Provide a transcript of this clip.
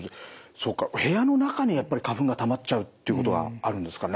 そうか部屋の中にやっぱり花粉がたまっちゃうということがあるんですかね。